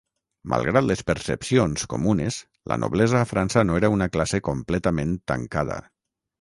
Malgrat les percepcions comunes, la noblesa a França no era una classe completament tancada.